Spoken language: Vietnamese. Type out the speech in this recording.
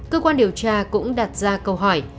cơ quan điều tra cũng đặt ra câu hỏi